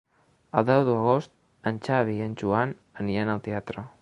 El deu d'agost en Xavi i en Joan aniran al teatre.